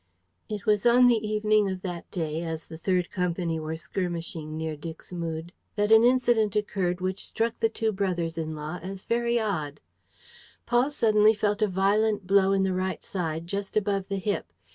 It was on the evening of that day, as the 3rd company were skirmishing near Dixmude, that an incident occurred which struck the two brothers in law as very odd. Paul suddenly felt a violent blow in the right side, just above the hip.